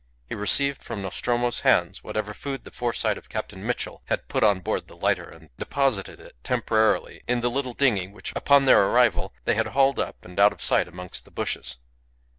He received from Nostromo's hands whatever food the foresight of Captain Mitchell had put on board the lighter and deposited it temporarily in the little dinghy which on their arrival they had hauled up out of sight amongst the bushes.